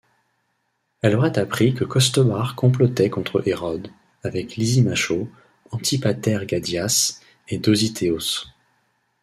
Elle aurait appris que Costobar complotait contre Hérode avec Lysimachos, Antipater Gadias et Dosithéos.